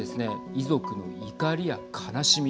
遺族の怒りや悲しみ